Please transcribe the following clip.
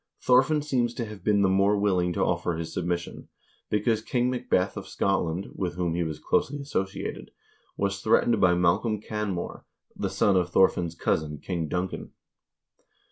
Thorfinn seems to have been the more willing to offer his submission, because King Macbeth of Scotland, with whom he was closely associated, was threatened by Malcolm Canmore, the son of Thorfinn's cousin King Duncan.